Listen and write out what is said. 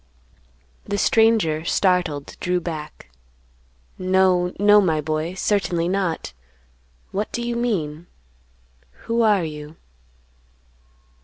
The stranger, startled, drew back; "No, no, my boy, certainly not; what do you mean; who are you?"